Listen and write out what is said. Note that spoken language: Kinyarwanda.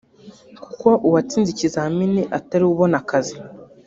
kuko uwatsinze ikizamini atariwe ubona akazi